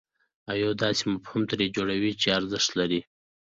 او یو داسې مفهوم ترې جوړوئ چې ارزښت لري.